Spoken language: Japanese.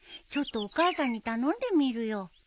ちょっとお母さんに頼んでみるよ。